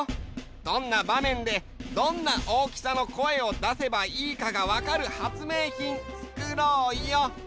どんなばめんでどんな大きさの声をだせばいいかがわかる発明品つくろうよ。